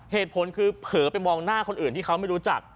เหตุผลคือเผลอไปมองหน้าคนอื่นที่เขาไม่รู้จัก